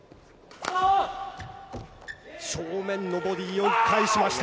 正面のボディーをよく返しました。